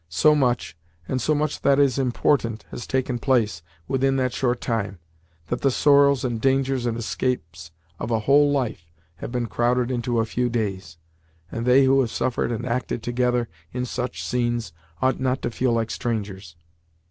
So much, and so much that is important has taken place, within that short time, that the sorrows, and dangers, and escapes of a whole life have been crowded into a few days, and they who have suffered and acted together in such scenes, ought not to feel like strangers.